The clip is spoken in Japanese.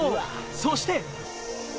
そして。